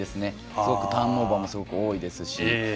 すごくターンオーバーも多いですし。